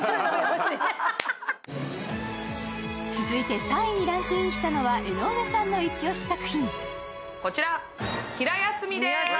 続いて３位にランクインしたのは江上さんのイチオシ作品。